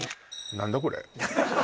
何だこれ？